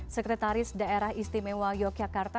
sekretaris daerah istimewa yogyakarta